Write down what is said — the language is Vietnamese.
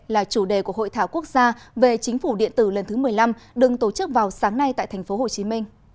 là chủ đề của hội thảo quốc gia về chính phủ điện tử lần thứ một mươi năm đừng tổ chức vào sáng nay tại tp hcm